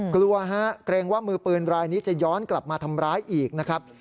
กลัวฮะเกรงว่ามือปืนรายนี้จะย้อนกลับมาทำร้ายอีกนะครับ